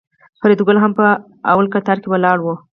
فریدګل هم په لومړي قطار کې ولاړ و